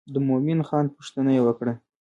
د مومن خان پوښتنه یې وکړه.